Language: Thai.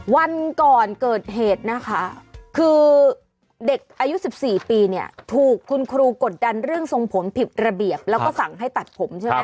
วันก่อนเกิดเหตุนะคะคือเด็กอายุ๑๔ปีเนี่ยถูกคุณครูกดดันเรื่องทรงผมผิดระเบียบแล้วก็สั่งให้ตัดผมใช่ไหม